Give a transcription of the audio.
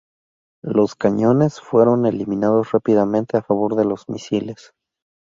Los cañones fueron eliminados rápidamente a favor de los misiles.